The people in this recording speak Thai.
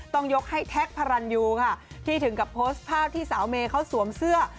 ต้องยกให้แท็กพระรันยูค่ะที่ถึงกับโพสต์ภาพที่สาวเมย์เขาสวมเสื้อ